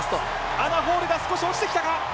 アナ・ホールが少し落ちてきたか。